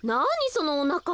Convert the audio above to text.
そのおなか。